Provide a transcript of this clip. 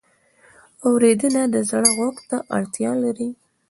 اورېدنه د زړه غوږ ته اړتیا لري.